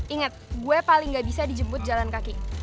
ingat gue paling gak bisa dijemput jalan kaki